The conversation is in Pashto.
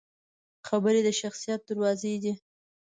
خبرې د شخصیت دروازې دي